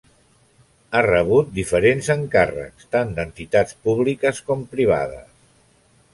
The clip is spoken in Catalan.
Ha rebut diferents encàrrecs tant d'entitats públiques com privades.